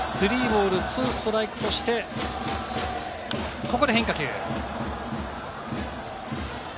３ボール２ストライクとして、ここで変化球。